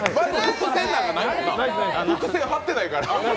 伏線張ってないからね。